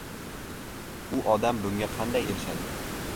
U odam bunga qanday erishadi?